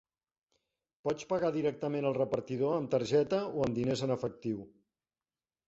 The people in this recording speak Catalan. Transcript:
Pots pagar directament al repartidor amb targeta o amb diners en efectiu.